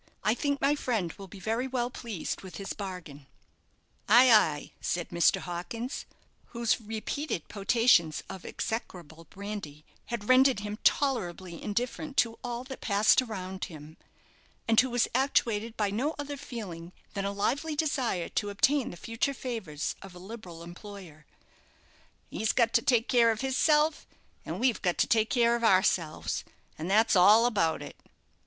I think my friend will be very well pleased with his bargain." "Ay, ay," said Mr. Hawkins, whose repeated potations of execrable brandy had rendered him tolerably indifferent to all that passed around him, and who was actuated by no other feeling than a lively desire to obtain, the future favours of a liberal employer; "he's got to take care of hisself, and we've got to take care of ourselves, and that's all about it."